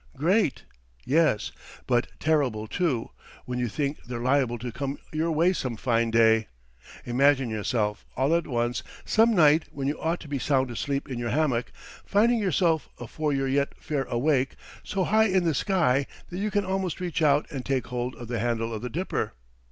Great, yes but terrible, too, when you think they're liable to come your way some fine day. Imagine yourself, all at once, some night when you ought to be sound asleep in your hammock, finding yourself, afore you're yet fair awake, so high in the sky that you can almost reach out and take hold of the handle of the Dipper!